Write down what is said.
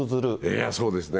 いや、そうですね。